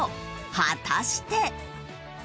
果たして。